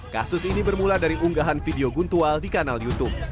kasus ini bermula dari unggahan video guntual di kanal youtube